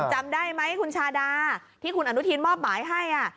จำได้ไหมคุณชาดาที่คุณอนุทินมอบหมายให้